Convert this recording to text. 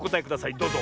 どうぞ！